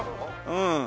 うん。